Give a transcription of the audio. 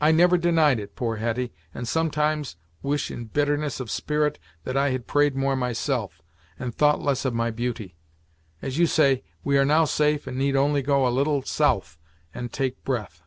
"I never denied it, poor Hetty, and sometimes wish in bitterness of spirit that I had prayed more myself, and thought less of my beauty! As you say, we are now safe and need only go a little south and take breath."